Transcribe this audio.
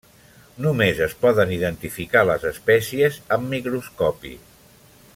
Només es poden identificar les espècies amb microscopi.